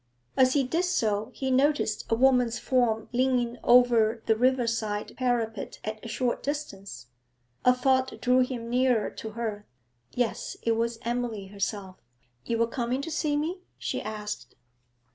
As he did so, he noticed a woman's form leaning over the riverside parapet at a short distance. A thought drew him nearer to her. Yes, it was Emily herself. 'You were coming to see me?' she asked.